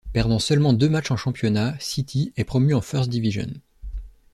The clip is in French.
Perdant seulement deux matchs en championnat, City est promu en First Division.